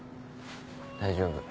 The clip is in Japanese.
大丈夫。